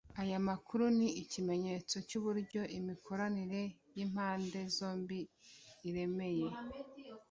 Aya makuru ni ikimenyetso cy’uburyo imikoranire y’impande zombi iremereye